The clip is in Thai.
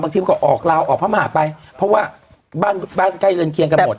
ทีมันก็ออกลาวออกพระมหาไปเพราะว่าบ้านบ้านใกล้เรือนเคียงกันหมด